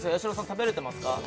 食べれてます